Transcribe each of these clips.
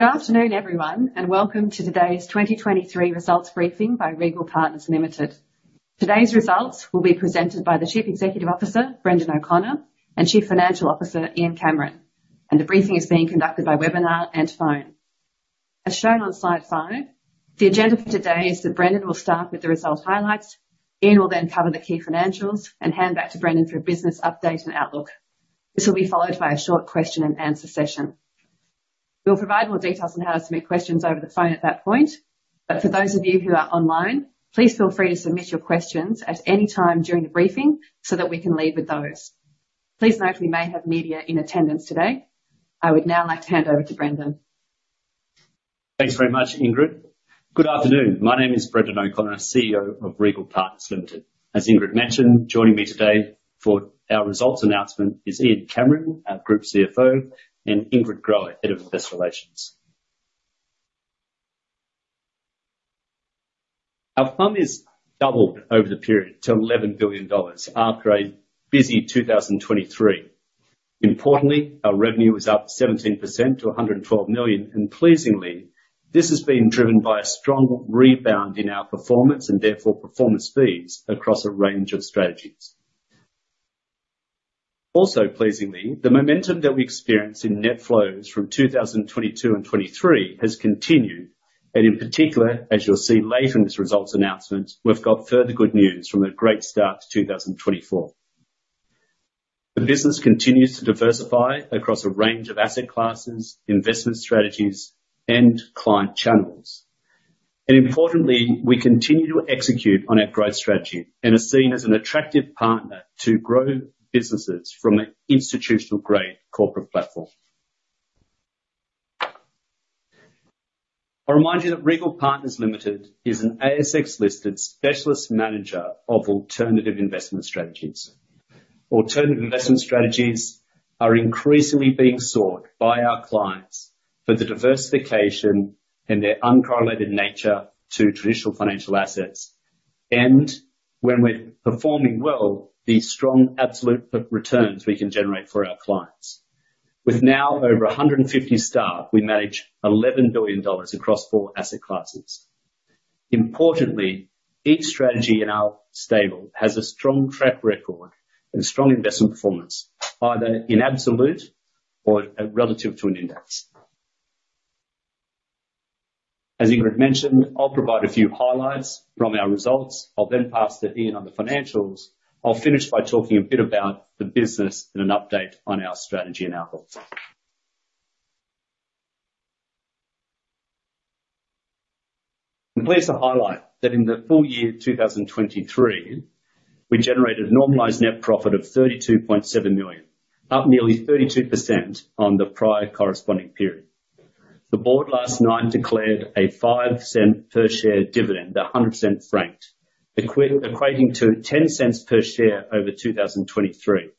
Good afternoon, everyone, and welcome to today's 2023 results briefing by Regal Partners Limited. Today's results will be presented by the Chief Executive Officer, Brendan O'Connor, and Chief Financial Officer, Ian Cameron, and the briefing is being conducted by webinar and phone. As shown on slide five, the agenda for today is that Brendan will start with the result highlights, Ian will then cover the key financials, and hand back to Brendan for a business update and outlook. This will be followed by a short question-and-answer session. We'll provide more details on how to submit questions over the phone at that point, but for those of you who are online, please feel free to submit your questions at any time during the briefing so that we can lead with those. Please note we may have media in attendance today. I would now like to hand over to Brendan. Thanks very much, Ingrid. Good afternoon. My name is Brendan O'Connor, CEO of Regal Partners Limited. As Ingrid mentioned, joining me today for our results announcement is Ian Cameron, our Group CFO, and Ingrid Groer, Head of Investor Relations. Our FUM has doubled over the period to 11 billion dollars after a busy 2023. Importantly, our revenue is up 17% to 112 million, and pleasingly, this has been driven by a strong rebound in our performance and therefore performance fees across a range of strategies. Also, pleasingly, the momentum that we experienced in net flows from 2022 and 2023 has continued, and in particular, as you'll see later in this results announcement, we've got further good news from a great start to 2024. The business continues to diversify across a range of asset classes, investment strategies, and client channels. Importantly, we continue to execute on our growth strategy and are seen as an attractive partner to grow businesses from an institutional-grade corporate platform. I'll remind you that Regal Partners Limited is an ASX-listed specialist manager of alternative investment strategies. Alternative investment strategies are increasingly being sought by our clients for the diversification and their uncorrelated nature to traditional financial assets and, when we're performing well, the strong absolute returns we can generate for our clients. With now over 150 staff, we manage 11 billion dollars across four asset classes. Importantly, each strategy in our stable has a strong track record and strong investment performance, either in absolute or relative to an index. As Ingrid mentioned, I'll provide a few highlights from our results. I'll then pass to Ian on the financials. I'll finish by talking a bit about the business and an update on our strategy and outlook. I'm pleased to highlight that in the full year 2023, we generated a normalized net profit of 32.7 million, up nearly 32% on the prior corresponding period. The board last night declared a 0.05 per share dividend, 100% franked, equating to 0.10 per share over 2023.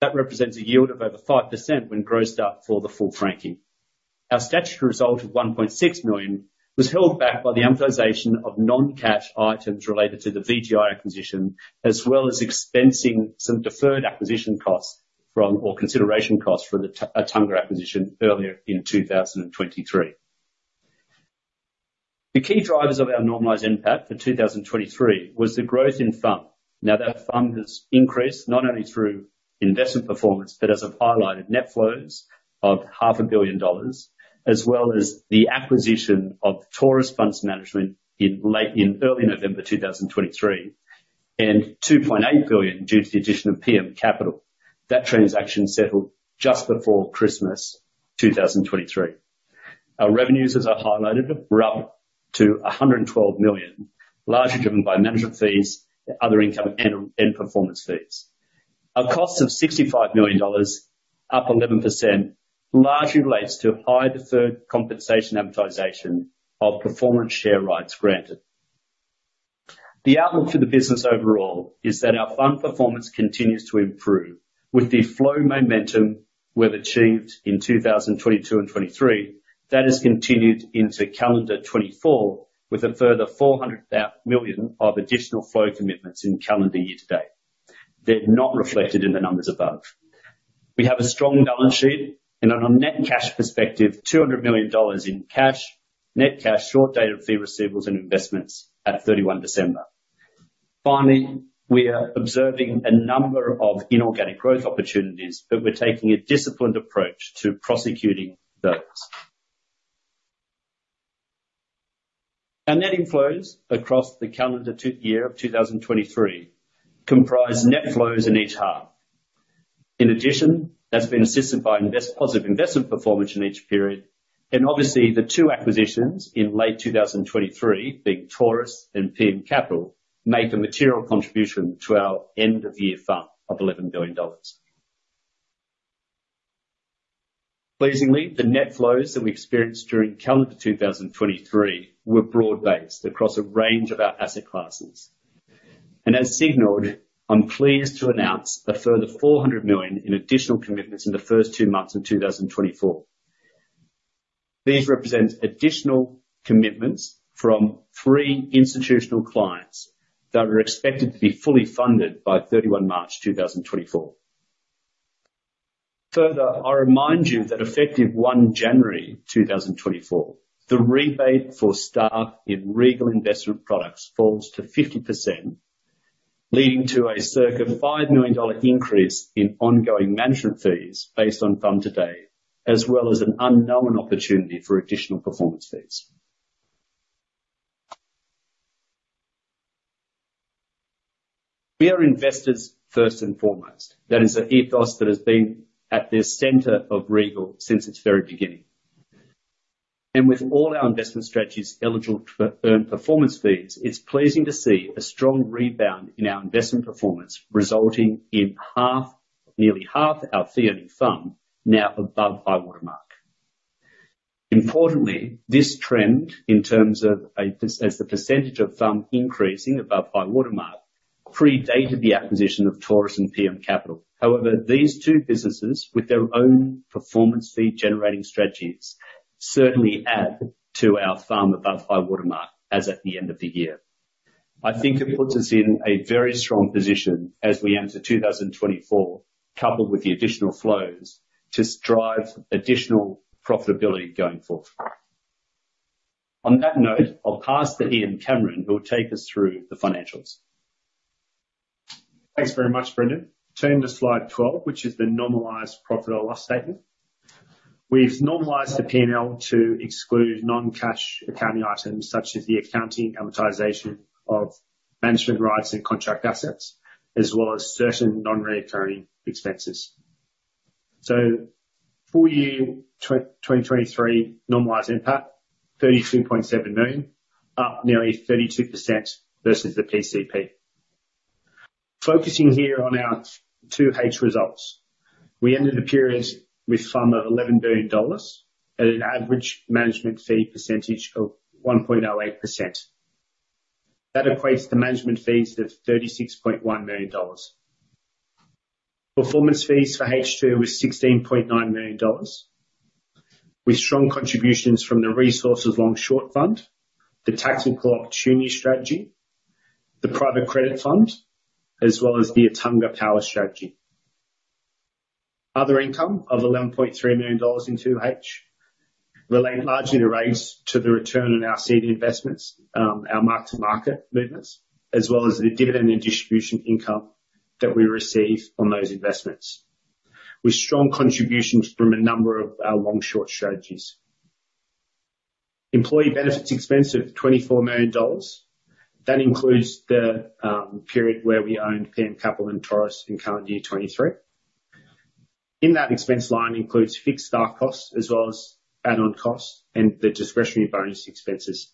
That represents a yield of over 5% when grossed up for the full franking. Our statutory result of 1.6 million was held back by the amortization of non-cash items related to the VGI acquisition as well as expensing some deferred acquisition costs or consideration costs for the Taurus acquisition earlier in 2023. The key drivers of our normalized NPAT for 2023 was the growth in FUM. Now, that FUM has increased not only through investment performance but, as I've highlighted, net flows of 500 million dollars as well as the acquisition of Taurus Funds Management in early November 2023 and 2.8 billion due to the addition of PM Capital. That transaction settled just before Christmas 2023. Our revenues, as I've highlighted, were up to 112 million, largely driven by management fees, other income, and performance fees. Our cost of 65 million dollars, up 11%, largely relates to high deferred compensation amortization of performance share rights granted. The outlook for the business overall is that our fund performance continues to improve with the flow momentum we've achieved in 2022 and 2023 that has continued into calendar 2024 with a further 400 million of additional flow commitments in calendar year-to-date. They're not reflected in the numbers above. We have a strong balance sheet and, on a net cash perspective, 200 million dollars in cash, net cash short dated fee receivables and investments at 31 December. Finally, we are observing a number of inorganic growth opportunities, but we're taking a disciplined approach to prosecuting those. Our net inflows across the calendar year of 2023 comprise net flows in each half. In addition, that's been assisted by positive investment performance in each period. Obviously, the two acquisitions in late 2023, being Taurus and PM Capital, make a material contribution to our end-of-year FUM of AUD 11 billion. Pleasingly, the net flows that we experienced during calendar 2023 were broad-based across a range of our asset classes. As signalled, I'm pleased to announce a further 400 million in additional commitments in the first two months of 2024. These represent additional commitments from three institutional clients that are expected to be fully funded by 31 March 2024. Further, I'll remind you that effective 1 January 2024, the rebate for staff in Regal Investment Products falls to 50%, leading to a circa 5 million dollar increase in ongoing management fees based on FUM to date as well as an unknown opportunity for additional performance fees. We are investors first and foremost. That is an ethos that has been at the center of Regal since its very beginning. With all our investment strategies eligible to earn performance fees, it's pleasing to see a strong rebound in our investment performance resulting in nearly half our fee-earning FUM now above high-water mark. Importantly, this trend in terms of the percentage of FUM increasing above high-water mark predated the acquisition of Taurus and PM Capital. However, these two businesses, with their own performance fee-generating strategies, certainly add to our fund above high-water mark as at the end of the year. I think it puts us in a very strong position as we enter 2024, coupled with the additional flows, to drive additional profitability going forward. On that note, I'll pass to Ian Cameron, who will take us through the financials. Thanks very much, Brendan. Turn to slide 12, which is the normalized profit or loss statement. We've normalized the P&L to exclude non-cash accounting items such as the accounting amortization of management rights and contract assets as well as certain non-recurring expenses. So full year 2023 normalized NPAT, 32.7 million, up nearly 32% versus the PCP. Focusing here on our 2H results, we ended the period with FUM of AUD 11 billion at an average management fee percentage of 1.08%. That equates to management fees of 36.1 million dollars. Performance fees for H2 were 16.9 million dollars with strong contributions from the Resources Long Short Fund, the Tactical Opportunity Strategy, the private credit fund, as well as the Attunga Power strategy. Other income of 11.3 million in 2H relates largely to, as well as, the return on our seed investments, our mark-to-market movements, as well as the dividend and distribution income that we receive on those investments with strong contributions from a number of our long-short strategies. Employee benefits expense of 24 million dollars, that includes the period where we owned PM Capital and Taurus in calendar year 2023. That expense line includes fixed staff costs as well as add-on costs and the discretionary bonus expenses.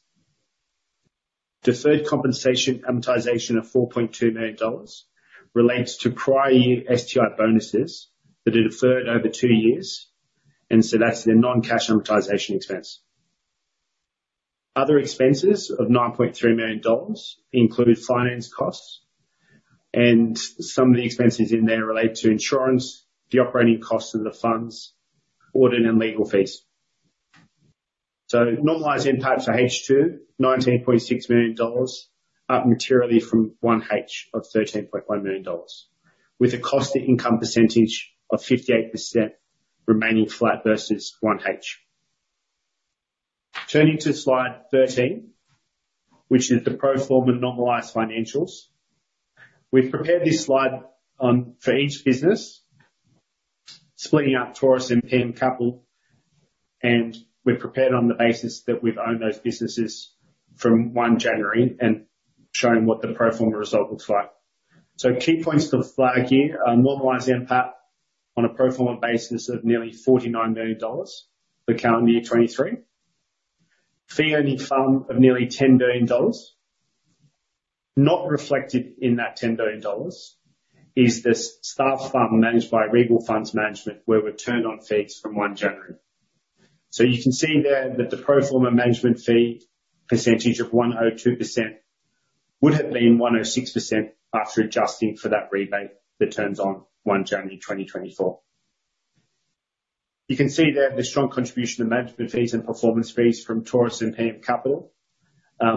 Deferred compensation amortization of 4.2 million dollars relates to prior year STI bonuses that are deferred over two years, and so that's the non-cash amortization expense. Other expenses of 9.3 million dollars include finance costs, and some of the expenses in there relate to insurance, the operating costs of the funds, audit and legal fees. So normalised NPAT for H2, AUD 19.6 million, up materially from 1H of AUD 13.1 million with a cost-to-income percentage of 58% remaining flat versus 1H. Turning to slide 13, which is the pro-forma normalised financials. We've prepared this slide for each business, splitting up Taurus and PM Capital, and we're prepared on the basis that we've owned those businesses from 1 January and showing what the pro-forma result looks like. So key points to flag here are normalised NPAT on a pro-forma basis of nearly 49 million dollars for calendar year 2023, fee-earning FUM of nearly 10 billion dollars. Not reflected in that 10 billion dollars is the staff fund managed by Regal Funds Management where we've turned on fees from 1 January. So you can see there that the pro-forma management fee percentage of 102% would have been 106% after adjusting for that rebate that turns on 1 January 2024. You can see there the strong contribution of management fees and performance fees from Taurus and PM Capital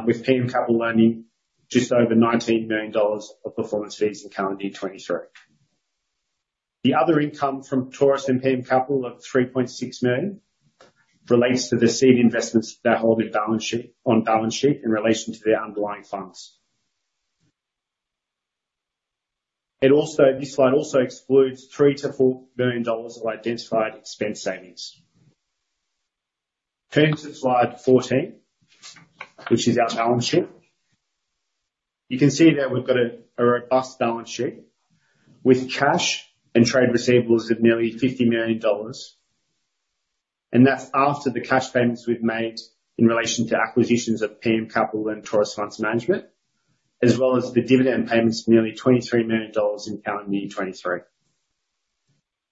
with PM Capital earning just over AUD 19 million of performance fees in calendar year 2023. The other income from Taurus and PM Capital of 3.6 million relates to the seed investments that hold a balance sheet on balance sheet in relation to their underlying funds. This slide also excludes 3 million-4 million dollars of identified expense savings. Turning to slide 14, which is our balance sheet. You can see there we've got a robust balance sheet with cash and trade receivables of nearly 50 million dollars, and that's after the cash payments we've made in relation to acquisitions of PM Capital and Taurus Funds Management as well as the dividend payments of nearly 23 million dollars in calendar year 2023.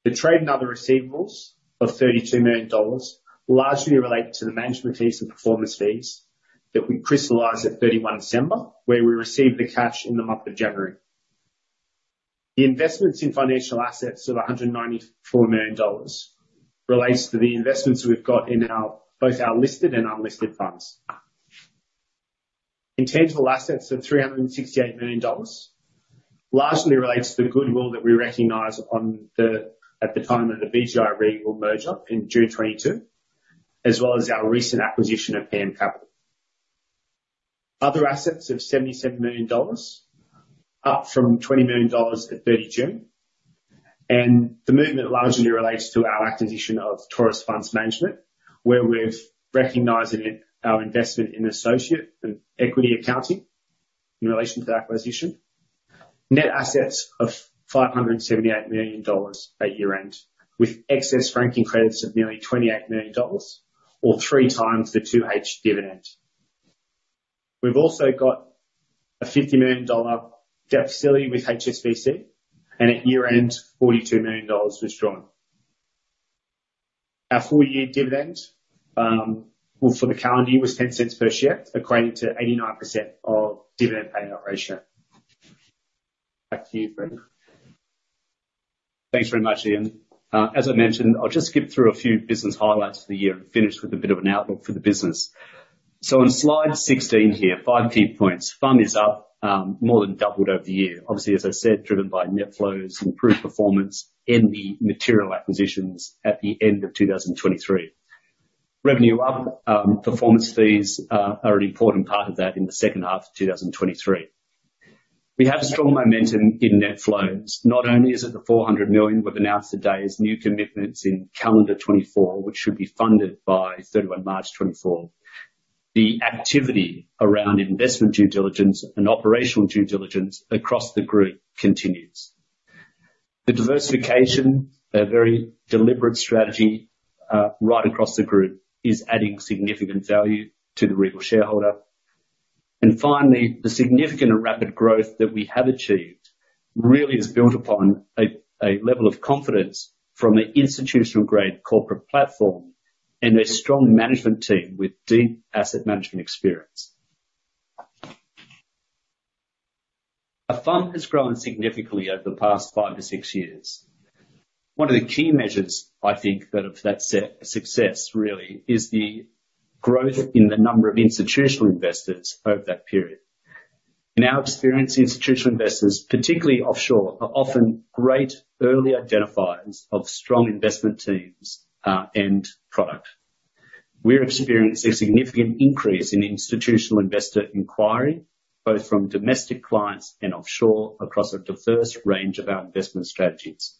The trade and other receivables of 32 million dollars largely relate to the management fees and performance fees that we crystallize at 31 December where we receive the cash in the month of January. The investments in financial assets of 194 million dollars relates to the investments we've got in both our listed and unlisted funds. Intangible assets of 368 million dollars largely relate to the goodwill that we recognize at the time of the VGI-Regal merger in June 2022 as well as our recent acquisition of PM Capital. Other assets of 77 million dollars up from 20 million dollars at 30 June, and the movement largely relates to our acquisition of Taurus Funds Management where we've recognized our investment in associate and equity accounting in relation to the acquisition. Net assets of 578 million dollars at year end with excess franking credits of nearly 28 million dollars or three times the 2H dividend. We've also got a 50 million dollar debt facility with HSBC, and at year-end, 42 million dollars was drawn. Our full year dividend for the calendar year was 0.10 per share equating to 89% of dividend payout ratio. Back to you, Brendan. Thanks very much, Ian. As I mentioned, I'll just skip through a few business highlights for the year and finish with a bit of an outlook for the business. So on slide 16 here, five key points. FUM is up more than doubled over the year. Obviously, as I said, driven by net flows, improved performance, and the material acquisitions at the end of 2023. Revenue up. Performance fees are an important part of that in the second half of 2023. We have strong momentum in net flows. Not only is it the 400 million we've announced today as new commitments in calendar 2024, which should be funded by 31 March 2024, the activity around investment due diligence and operational due diligence across the group continues. The diversification, a very deliberate strategy right across the group, is adding significant value to the Regal shareholder. Finally, the significant and rapid growth that we have achieved really is built upon a level of confidence from an institutional-grade corporate platform and a strong management team with deep asset management experience. Our fund has grown significantly over the past 5-6 years. One of the key measures, I think, that have that set a success really is the growth in the number of institutional investors over that period. In our experience, institutional investors, particularly offshore, are often great early identifiers of strong investment teams and product. We're experiencing a significant increase in institutional investor inquiry both from domestic clients and offshore across a diverse range of our investment strategies.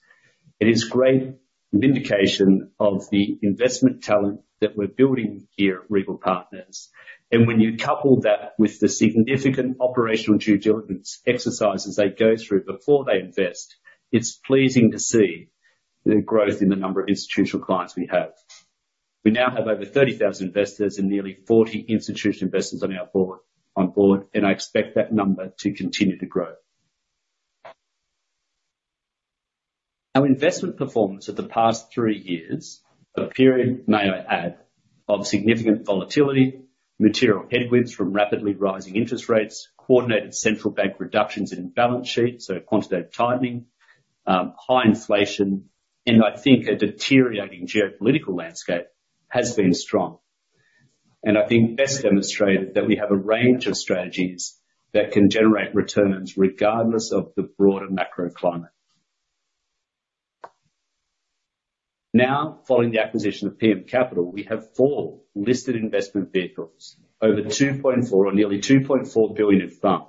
It is great vindication of the investment talent that we're building here at Regal Partners. When you couple that with the significant operational due diligence exercises they go through before they invest, it's pleasing to see the growth in the number of institutional clients we have. We now have over 30,000 investors and nearly 40 institutional investors on board, and I expect that number to continue to grow. Our investment performance of the past three years, a period may I add, of significant volatility, material headwinds from rapidly rising interest rates, coordinated central bank reductions in balance sheets, so quantitative tightening, high inflation, and I think a deteriorating geopolitical landscape has been strong. I think best demonstrated that we have a range of strategies that can generate returns regardless of the broader macro climate. Now, following the acquisition of PM Capital, we have four listed investment vehicles, over 2.4 or nearly 2.4 billion in FUM.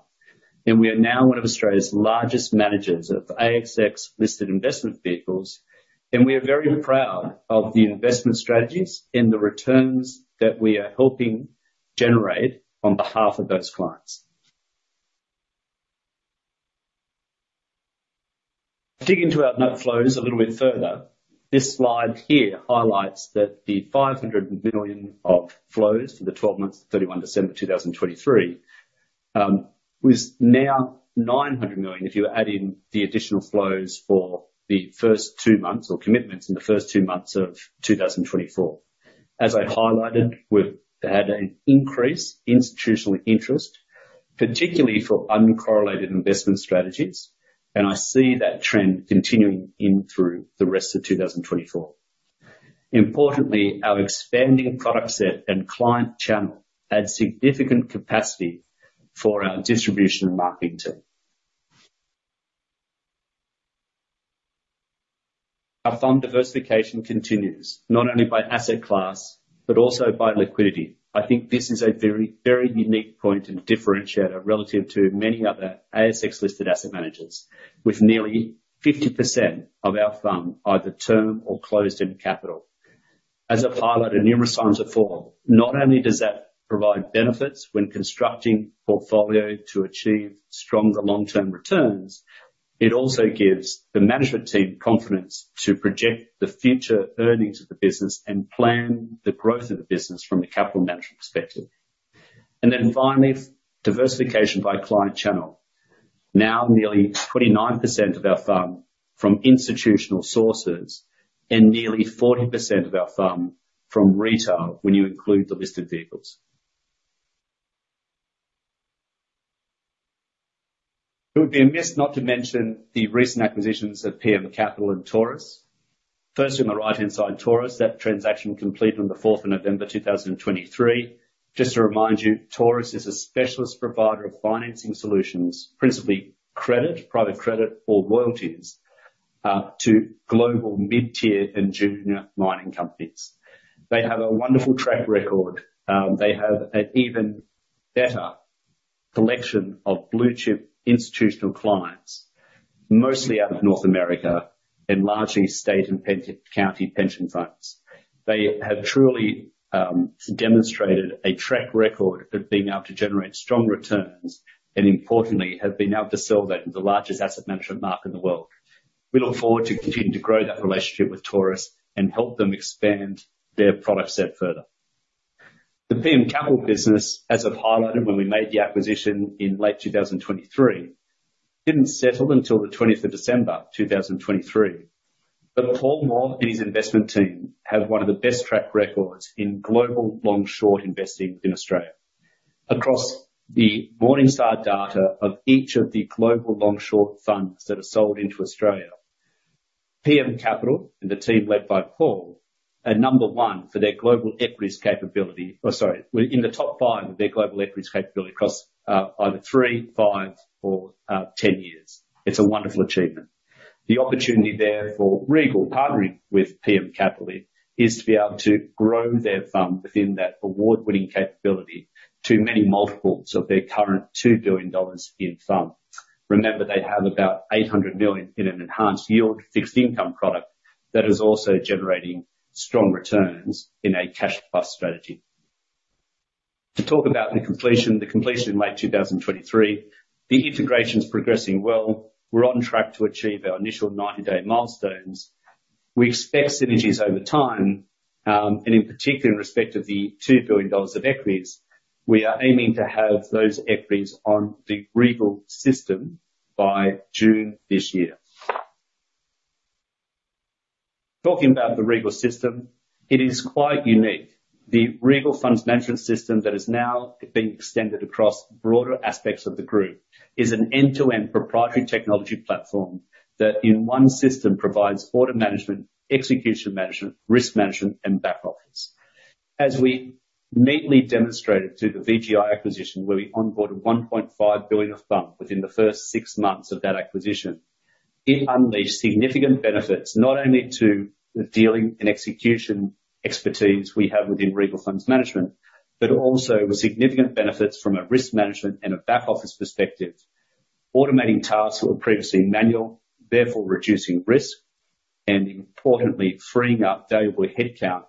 We are now one of Australia's largest managers of ASX listed investment vehicles, and we are very proud of the investment strategies and the returns that we are helping generate on behalf of those clients. Digging into our net flows a little bit further, this slide here highlights that the 500 million of flows for the 12 months to 31 December 2023 was now 900 million if you add in the additional flows for the first two months or commitments in the first two months of 2024. As I highlighted, we've had an increase in institutional interest, particularly for uncorrelated investment strategies, and I see that trend continuing in through the rest of 2024. Importantly, our expanding product set and client channel add significant capacity for our distribution and marketing team. Our fund diversification continues not only by asset class but also by liquidity. I think this is a very, very unique point and differentiator relative to many other ASX listed asset managers with nearly 50% of our fund either term or closed-end capital. As I've highlighted, numerous times before, not only does that provide benefits when constructing portfolio to achieve stronger long-term returns, it also gives the management team confidence to project the future earnings of the business and plan the growth of the business from a capital management perspective. Then finally, diversification by client channel. Now, nearly 29% of our fund from institutional sources and nearly 40% of our fund from retail when you include the listed vehicles. It would be a miss not to mention the recent acquisitions of PM Capital and Taurus. First on the right-hand side, Taurus, that transaction completed on the 4th of November 2023. Just to remind you, Taurus is a specialist provider of financing solutions, principally credit, private credit, or royalties, to global mid-tier and junior mining companies. They have a wonderful track record. They have an even better collection of blue-chip institutional clients, mostly out of North America and largely state and county pension funds. They have truly demonstrated a track record of being able to generate strong returns and, importantly, have been able to sell that in the largest asset management market in the world. We look forward to continuing to grow that relationship with Taurus and help them expand their product set further. The PM Capital business, as I've highlighted when we made the acquisition in late 2023, didn't settle until the 20th of December 2023. But Paul Moore and his investment team have one of the best track records in global long-short investing within Australia. Across the Morningstar data of each of the global long-short funds that are sold into Australia, PM Capital and the team led by Paul are number one for their global equities capability or sorry, in the top five of their global equities capability across either three, five, or 10 years. It's a wonderful achievement. The opportunity there for Regal partnering with PM Capital is to be able to grow their FUM within that award-winning capability to many multiples of their current 2 billion dollars in FUM. Remember, they have about 800 million in an enhanced yield fixed income product that is also generating strong returns in a cash-plus strategy. To talk about the completion in late 2023, the integration's progressing well. We're on track to achieve our initial 90-day milestones. We expect synergies over time, and in particular, in respect of the 2 billion dollars of equities, we are aiming to have those equities on the Regal system by June this year. Talking about the Regal system, it is quite unique. The Regal Funds Management System that is now being extended across broader aspects of the group is an end-to-end proprietary technology platform that, in one system, provides order management, execution management, risk management, and back office. As we neatly demonstrated through the VGI acquisition where we onboarded 1.5 billion of fund within the first six months of that acquisition, it unleashed significant benefits not only to the dealing and execution expertise we have within Regal Funds Management but also with significant benefits from a risk management and a back office perspective, automating tasks that were previously manual, therefore reducing risk, and, importantly, freeing up valuable headcount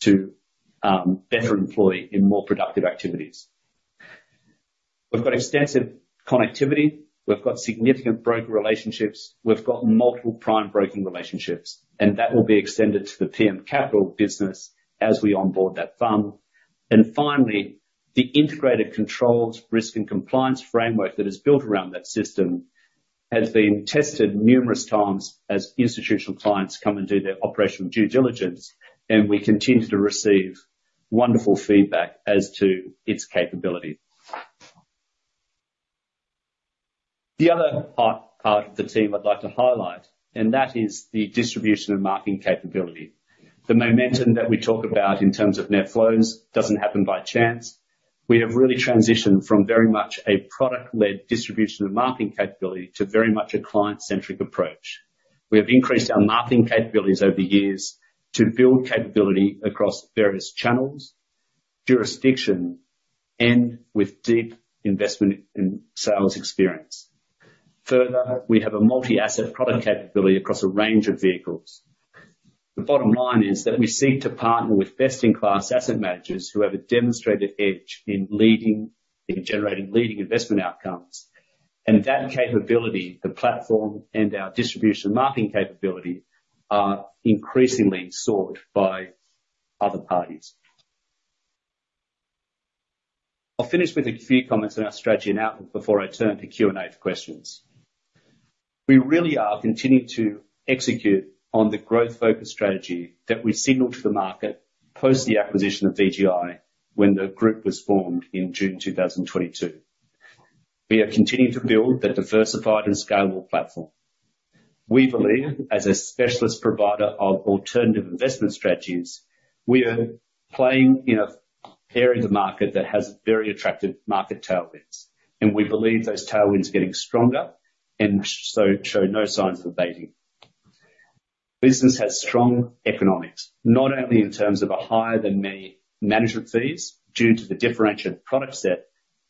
to better employ in more productive activities. We've got extensive connectivity. We've got significant broker relationships. We've got multiple prime brokering relationships, and that will be extended to the PM Capital business as we onboard that fund. Finally, the integrated controls, risk, and compliance framework that is built around that system has been tested numerous times as institutional clients come and do their operational due diligence, and we continue to receive wonderful feedback as to its capability. The other hot part of the team I'd like to highlight, and that is the distribution and marketing capability. The momentum that we talk about in terms of net flows doesn't happen by chance. We have really transitioned from very much a product-led distribution and marketing capability to very much a client-centric approach. We have increased our marketing capabilities over the years to build capability across various channels, jurisdiction, and with deep investment and sales experience. Further, we have a multi-asset product capability across a range of vehicles. The bottom line is that we seek to partner with best-in-class asset managers who have a demonstrated edge in generating leading investment outcomes, and that capability, the platform, and our distribution and marketing capability are increasingly sought by other parties. I'll finish with a few comments on our strategy and outlook before I turn to Q&A for questions. We really are continuing to execute on the growth-focused strategy that we signaled to the market post the acquisition of VGI when the group was formed in June 2022. We are continuing to build that diversified and scalable platform. We believe, as a specialist provider of alternative investment strategies, we are playing in an area of the market that has very attractive market tailwinds, and we believe those tailwinds are getting stronger and so show no signs of abating. Business has strong economics, not only in terms of a higher-than-many management fees due to the differentiated product set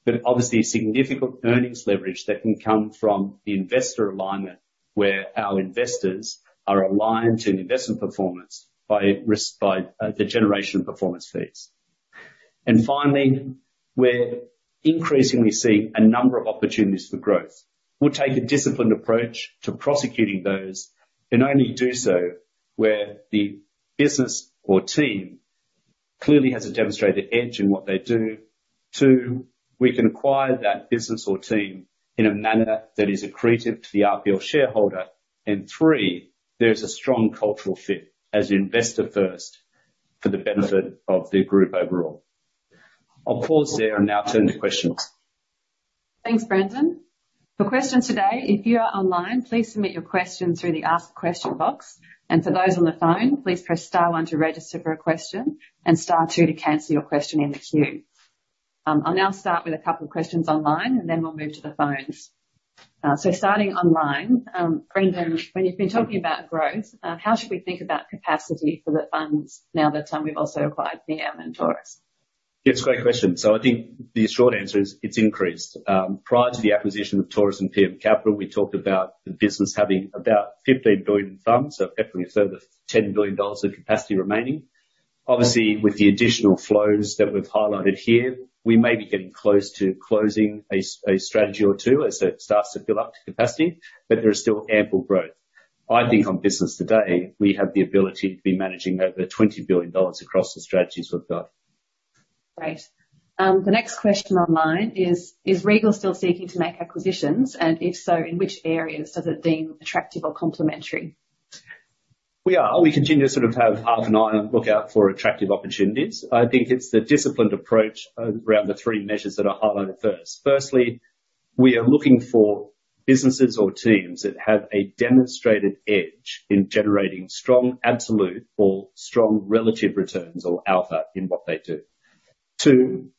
but obviously significant earnings leverage that can come from the investor alignment where our investors are aligned to investment performance by the generation of performance fees. Finally, we're increasingly seeing a number of opportunities for growth. We'll take a disciplined approach to prosecuting those and only do so where the business or team clearly has a demonstrated edge in what they do. Two, we can acquire that business or team in a manner that is accretive to the RPL shareholder, and three, there is a strong cultural fit as investor-first for the benefit of the group overall. I'll pause there and now turn to questions. Thanks, Brendan. For questions today, if you are online, please submit your questions through the Ask Question box. For those on the phone, please press star one to register for a question and star two to cancel your question in the queue. I'll now start with a couple of questions online, and then we'll move to the phones. So starting online, Brendan, when you've been talking about growth, how should we think about capacity for the funds now that we've also acquired PM and Taurus? Yeah, it's a great question. So I think the short answer is it's increased. Prior to the acquisition of Taurus and PM Capital, we talked about the business having about 15 billion in FUM, so definitely a third of 10 billion dollars of capacity remaining. Obviously, with the additional flows that we've highlighted here, we may be getting close to closing a strategy or two as it starts to fill up to capacity, but there is still ample growth. I think on business today, we have the ability to be managing over 20 billion dollars across the strategies we've got. Great. The next question online is, is Regal still seeking to make acquisitions? If so, in which areas does it deem attractive or complementary? We are. We continue to sort of have half an eye on the lookout for attractive opportunities. I think it's the disciplined approach around the three measures that I highlighted first. Firstly, we are looking for businesses or teams that have a demonstrated edge in generating strong absolute or strong relative returns or alpha in what they do. Two,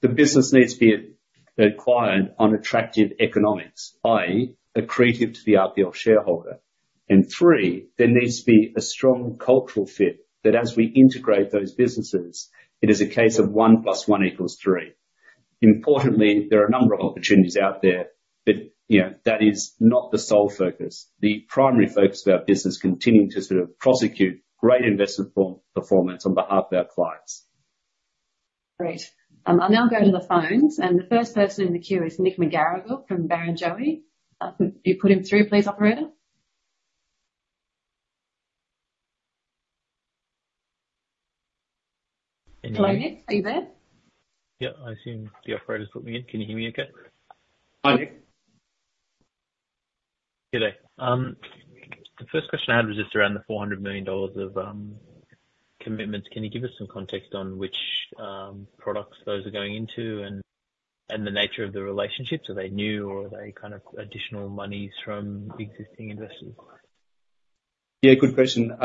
the business needs to be acquired on attractive economics, i.e., accretive to the RPL shareholder. Three, there needs to be a strong cultural fit that, as we integrate those businesses, it is a case of one plus one equals three. Importantly, there are a number of opportunities out there, but that is not the sole focus. The primary focus of our business is continuing to sort of prosecute great investment performance on behalf of our clients. Great. I'll now go to the phones, and the first person in the queue is Nick McGarrigle from Barrenjoey. Could you put him through, please, operator? Hello, Nick. Are you there? Yeah, I assume the operator's put me in. Can you hear me okay? Hi, Nick. Good day. The first question I had was just around the 400 million dollars of commitments. Can you give us some context on which products those are going into and the nature of the relationship? Are they new, or are they kind of additional monies from existing investors? Yeah, good question.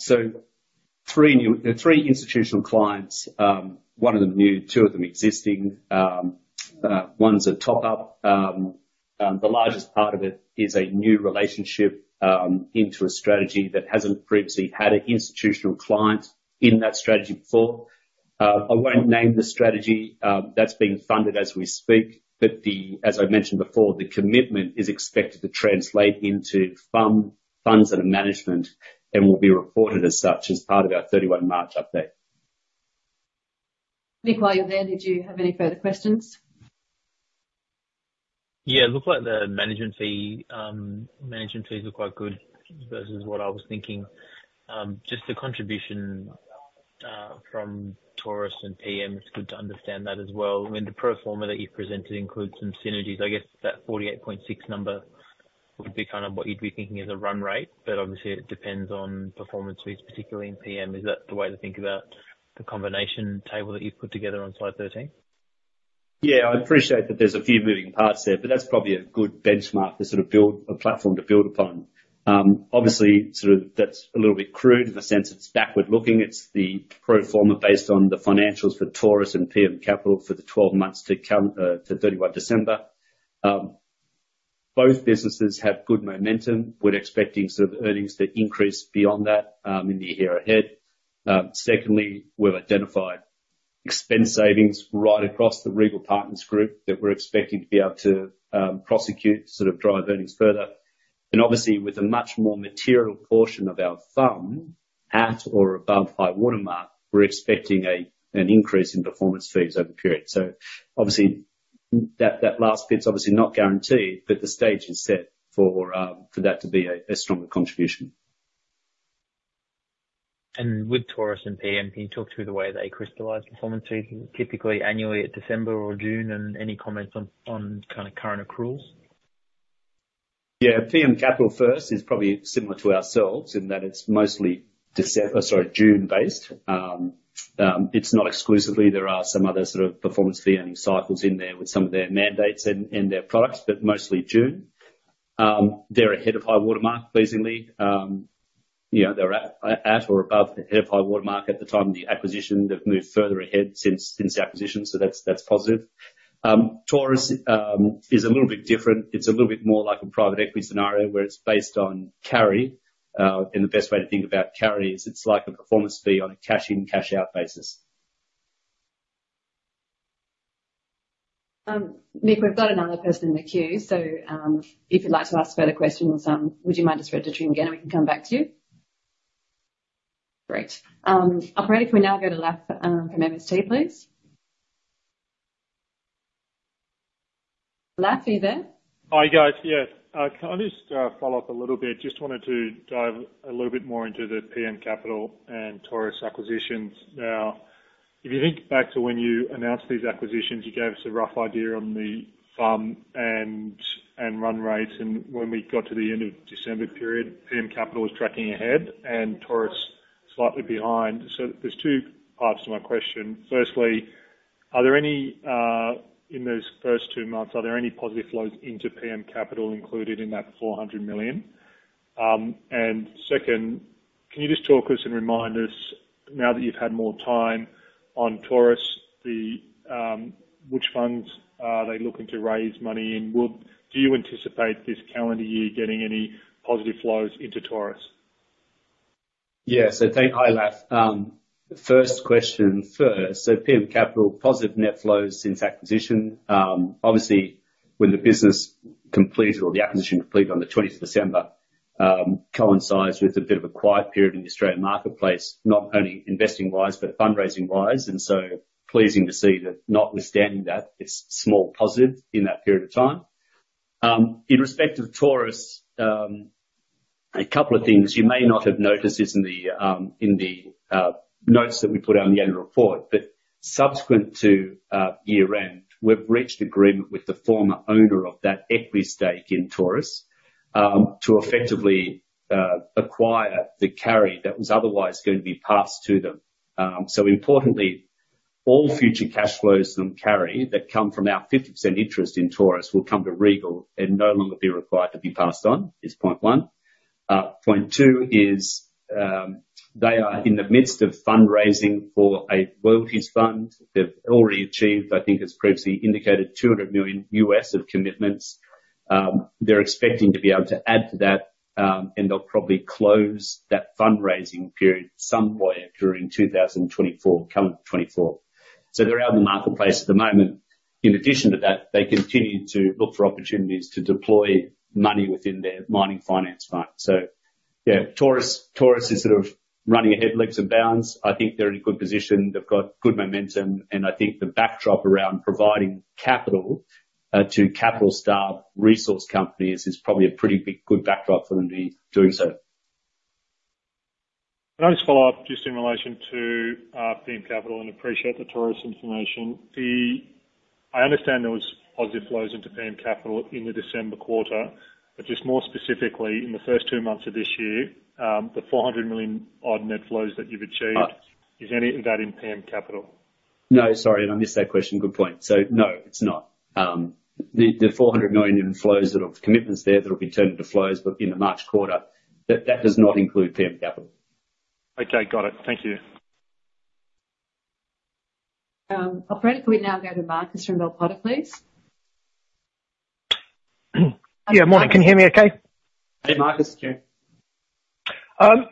So three institutional clients. One of them new, two of them existing. One's a top-up. The largest part of it is a new relationship into a strategy that hasn't previously had an institutional client in that strategy before. I won't name the strategy. That's being funded as we speak. But as I mentioned before, the commitment is expected to translate into funds and management and will be reported as such as part of our 31 March update. Nick, while you're there, did you have any further questions? Yeah, it looked like the management fees were quite good versus what I was thinking. Just the contribution from Taurus and PM, it's good to understand that as well. I mean, the pro forma that you've presented includes some synergies. I guess that 48.6 number would be kind of what you'd be thinking as a run rate, but obviously, it depends on performance fees, particularly in PM. Is that the way to think about the combination table that you've put together on slide 13? Yeah, I appreciate that there's a few moving parts there, but that's probably a good benchmark to sort of build a platform to build upon. Obviously, sort of that's a little bit crude in the sense it's backward-looking. It's the pro forma based on the financials for Taurus and PM Capital for the 12 months to 31 December. Both businesses have good momentum. We're expecting sort of earnings to increase beyond that in the year ahead. Secondly, we've identified expense savings right across the Regal Partners group that we're expecting to be able to prosecute to sort of drive earnings further and obviously, with a much more material portion of our fund at or above high-water mark, we're expecting an increase in performance fees over period. So obviously, that last bit's obviously not guaranteed, but the stage is set for that to be a stronger contribution. With Taurus and PM, can you talk through the way they crystallize performance fees? Typically, annually at December or June, and any comments on kind of current accruals? Yeah, PM Capital first is probably similar to ourselves in that it's mostly—or sorry, June-based. It's not exclusively. There are some other sort of performance fee earning cycles in there with some of their mandates and their products, but mostly June. They're ahead of high-water mark, pleasingly. They're at or above ahead of high-water mark at the time of the acquisition. They've moved further ahead since the acquisition, so that's positive. Taurus is a little bit different. It's a little bit more like a private equity scenario where it's based on carry. The best way to think about carry is it's like a performance fee on a cash-in, cash-out basis. Nick, we've got another person in the queue, so if you'd like to ask further questions, would you mind just registering again, and we can come back to you? Great. Operator, can we now go to Laf from MST, please? Laf, are you there? Hi, guys. Yeah. Can I just follow up a little bit? Just wanted to dive a little bit more into the PM Capital and Taurus acquisitions now. If you think back to when you announced these acquisitions, you gave us a rough idea on the fund and run rates and when we got to the end of December period, PM Capital was tracking ahead and Taurus slightly behind. So there's two parts to my question. Firstly, in those first two months, are there any positive flows into PM Capital included in that 400 million? Second, can you just talk us and remind us, now that you've had more time on Taurus, which funds are they looking to raise money in? Do you anticipate this calendar year getting any positive flows into Taurus? Yeah. So hi, Laf. First question first. So PM Capital, positive net flows since acquisition. Obviously, when the business completed or the acquisition completed on the 20th of December, coincides with a bit of a quiet period in the Australian marketplace, not only investing-wise but fundraising-wise. So pleasing to see that notwithstanding that, it's small positives in that period of time. In respect of Taurus, a couple of things you may not have noticed is in the notes that we put out in the annual report, but subsequent to year-end, we've reached agreement with the former owner of that equity stake in Taurus to effectively acquire the carry that was otherwise going to be passed to them. So importantly, all future cash flows from carry that come from our 50% interest in Taurus will come to Regal and no longer be required to be passed on is point one. Point two is they are in the midst of fundraising for a royalties fund. They've already achieved, I think as previously indicated, $200 million of commitments. They're expecting to be able to add to that, and they'll probably close that fundraising period somewhere during 2024. So they're out in the marketplace at the moment. In addition to that, they continue to look for opportunities to deploy money within their mining finance fund. So yeah, Taurus is sort of running ahead, leaps and bounds. I think they're in a good position. They've got good momentum and I think the backdrop around providing capital to capital-starved resource companies is probably a pretty good backdrop for them to be doing so. Can I just follow up just in relation to PM Capital and appreciate the Taurus information? I understand there was positive flows into PM Capital in the December quarter, but just more specifically, in the first two months of this year, the 400 million-odd net flows that you've achieved, is any of that in PM Capital? No, sorry, and I missed that question. Good point. So no, it's not. The 400 million in flows sort of commitments there that'll be turned into flows in the March quarter, that does not include PM Capital. Okay, got it. Thank you. Operator, could we now go to Marcus from Bell Potter, please? Yeah, morning. Can you hear me okay? Hey, Marcus. It's you.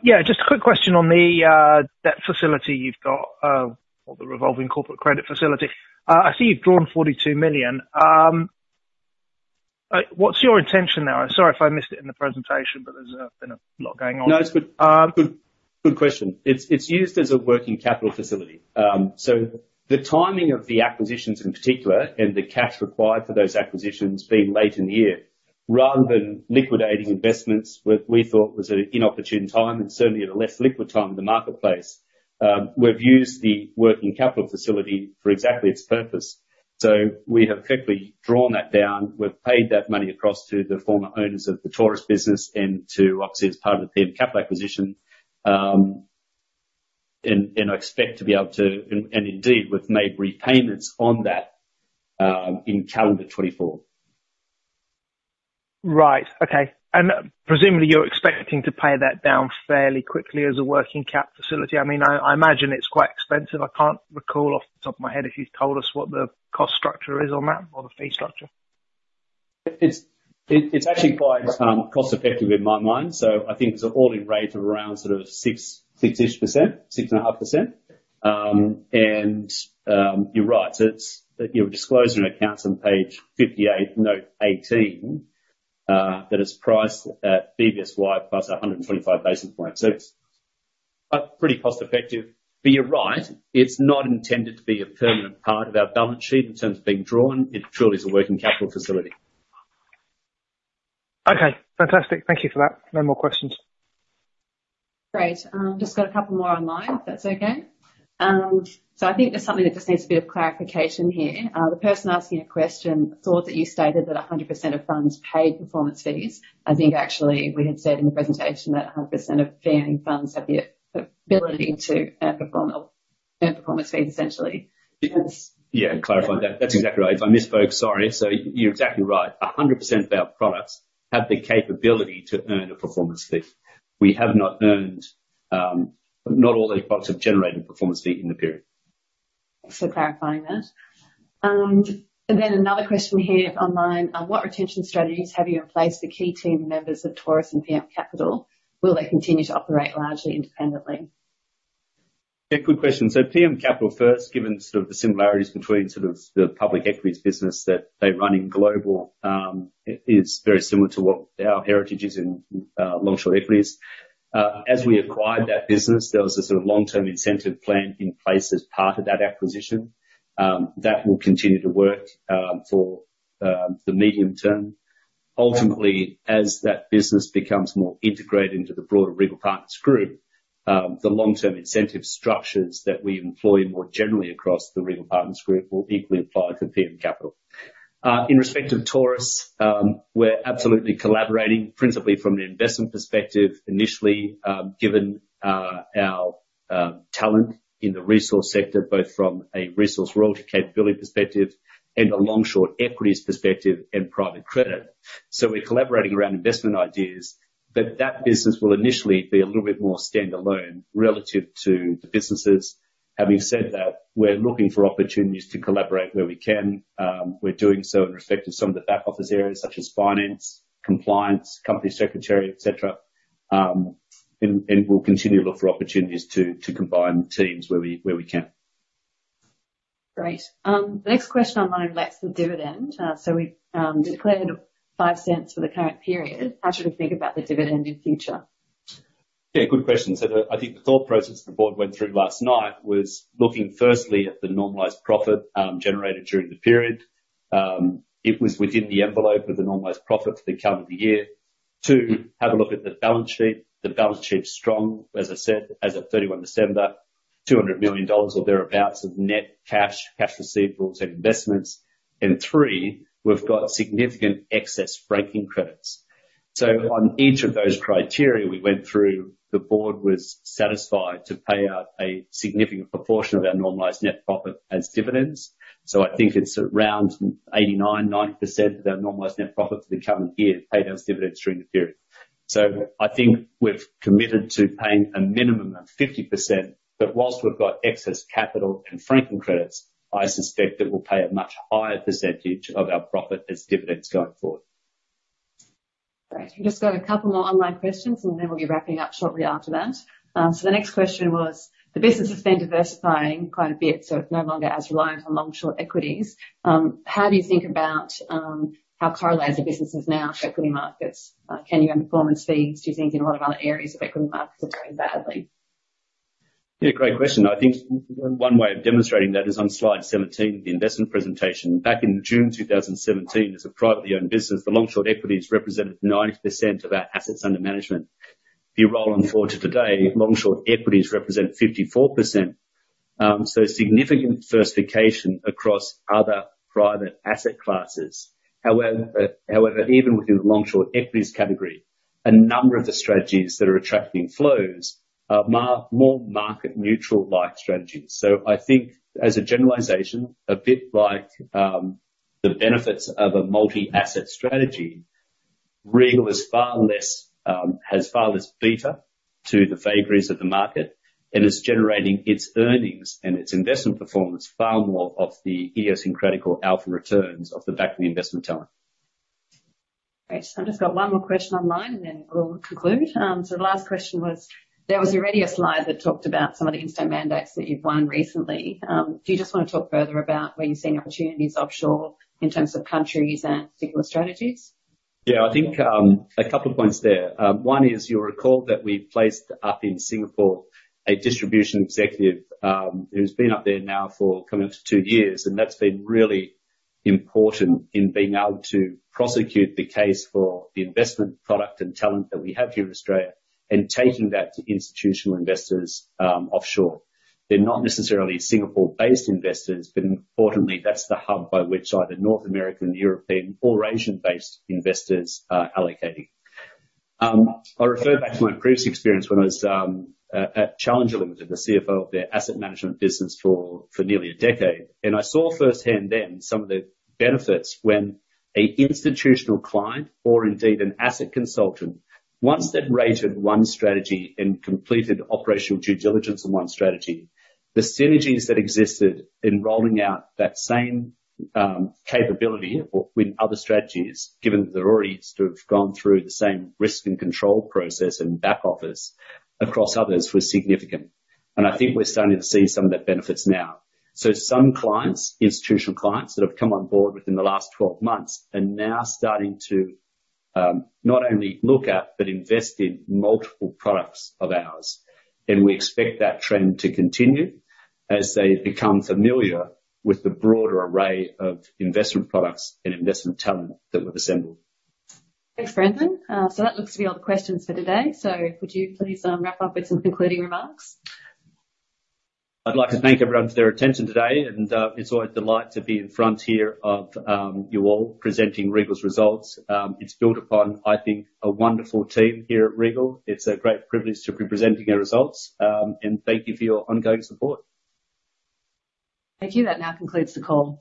Yeah, just a quick question on that facility you've got, the revolving corporate credit facility. I see you've drawn 42 million. What's your intention there? Sorry if I missed it in the presentation, but there's been a lot going on. No, it's good question. It's used as a working capital facility. So the timing of the acquisitions in particular and the cash required for those acquisitions being late in the year, rather than liquidating investments what we thought was an inopportune time and certainly at a less liquid time in the marketplace, we've used the working capital facility for exactly its purpose. So we have effectively drawn that down. We've paid that money across to the former owners of the Taurus business and to obviously, as part of the PM Capital acquisition, and expect to be able to and indeed, we've made repayments on that in calendar 2024. Right. Okay. Presumably, you're expecting to pay that down fairly quickly as a working cap facility. I mean, I imagine it's quite expensive. I can't recall off the top of my head if you've told us what the cost structure is on that or the fee structure? It's actually quite cost-effective in my mind. I think it's all in rates of around sort of 6%-ish, 6.5%. You're right. You're disclosing an account on page 58, note 18, that is priced at BBSY plus 125 basis points. It's pretty cost-effective. But you're right. It's not intended to be a permanent part of our balance sheet in terms of being drawn. It truly is a working capital facility. Okay. Fantastic. Thank you for that. No more questions. Great. I've just got a couple more online if that's okay. So I think there's something that just needs a bit of clarification here. The person asking a question thought that you stated that 100% of funds paid performance fees. I think actually, we had said in the presentation that 100% of fee-earning FUM have the ability to earn performance fees, essentially. Yeah, clarifying that. That's exactly right. If I misspoke, sorry. So you're exactly right. 100% of our products have the capability to earn a performance fee. We have not earned. Not all those products have generated performance fee in the period. Thanks for clarifying that. Another question here online. What retention strategies have you in place for key team members of Taurus and PM Capital? Will they continue to operate largely independently? Yeah, good question. So, PM Capital first, given sort of the similarities between sort of the public equities business that they run in global, is very similar to what our heritage is in long-short equities. As we acquired that business, there was a sort of long-term incentive plan in place as part of that acquisition that will continue to work for the medium term. Ultimately, as that business becomes more integrated into the broader Regal Partners group, the long-term incentive structures that we employ more generally across the Regal Partners group will equally apply to PM Capital. In respect of Taurus, we're absolutely collaborating, principally from an investment perspective, initially, given our talent in the resource sector, both from a resource royalty capability perspective and a long-short equities perspective and private credit. We're collaborating around investment ideas, but that business will initially be a little bit more standalone relative to the businesses. Having said that, we're looking for opportunities to collaborate where we can. We're doing so in respect of some of the back-office areas such as finance, compliance, company secretary, etc. We'll continue to look for opportunities to combine teams where we can. Great. The next question online relates to dividend. We've declared 0.05 for the current period. How should we think about the dividend in future? Yeah, good question. So I think the thought process the board went through last night was looking firstly at the normalized profit generated during the period. It was within the envelope of the normalized profit for the calendar year. Two, have a look at the balance sheet. The balance sheet's strong, as I said, as of 31 December, 200 million dollars or thereabouts of net cash, cash receivables and investments. Three, we've got significant excess franking credits. So on each of those criteria, we went through the board was satisfied to pay out a significant proportion of our normalized net profit as dividends. So I think it's around 89%-90% of our normalized net profit for the calendar year paid as dividends during the period. I think we've committed to paying a minimum of 50%, but while we've got excess capital and Franking Credits, I suspect that we'll pay a much higher percentage of our profit as dividends going forward. Great. We've just got a couple more online questions, and then we'll be wrapping up shortly after that. So the next question was, the business has been diversifying quite a bit, so it's no longer as reliant on long-short equities. How do you think about how correlated the businesses now to equity markets? Can you earn performance fees? Do you think in a lot of other areas of equity markets are doing badly? Yeah, great question. I think one way of demonstrating that is on slide 17, the investment presentation. Back in June 2017, as a privately owned business, the long-short equities represented 90% of our assets under management. If you roll on forward to today, long-short equities represent 54%. So significant diversification across other private asset classes. However, even within the long-short equities category, a number of the strategies that are attracting flows are more market-neutral-like strategies. So I think, as a generalization, a bit like the benefits of a multi-asset strategy, Regal has far less beta to the vagaries of the market and is generating its earnings and its investment performance far more off the idiosyncratic alpha returns of the back-to-the-investment time. Great. I've just got one more question online, and then we'll conclude. The last question was, there was already a slide that talked about some of the institutional mandates that you've won recently. Do you just want to talk further about where you're seeing opportunities offshore in terms of countries and particular strategies? Yeah, I think a couple of points there. One is you'll recall that we've placed up in Singapore a distribution executive who's been up there now for coming up to two years, and that's been really important in being able to prosecute the case for the investment product and talent that we have here in Australia and taking that to institutional investors offshore. They're not necessarily Singapore-based investors, but importantly, that's the hub by which either North American, European, or Asian-based investors are allocating. I refer back to my previous experience when I was at Challenger Limited, the CFO of their asset management business for nearly a decade. I saw firsthand then some of the benefits when an institutional client or indeed an asset consultant, once they'd rated one strategy and completed operational due diligence on one strategy, the synergies that existed in rolling out that same capability in other strategies, given that they're already sort of gone through the same risk and control process and back-office across others was significant. I think we're starting to see some of that benefits now. Some clients, institutional clients that have come on board within the last 12 months, are now starting to not only look at but invest in multiple products of ours. We expect that trend to continue as they become familiar with the broader array of investment products and investment talent that we've assembled. Thanks, Brendan. So that looks to be all the questions for today. So would you please wrap up with some concluding remarks? I'd like to thank everyone for their attention today. It's always a delight to be in front here of you all presenting Regal's results. It's built upon, I think, a wonderful team here at Regal. It's a great privilege to be presenting our results. Thank you for your ongoing support. Thank you. That now concludes the call.